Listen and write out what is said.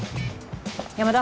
山田。